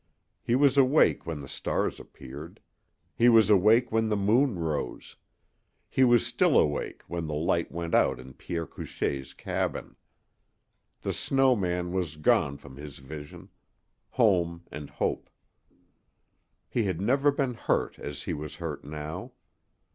He was awake when the stars appeared. He was awake when the moon rose. He was still awake when the light went out in Pierre Couchée's cabin. The snow man was gone from his vision home and hope. He had never been hurt as he was hurt now.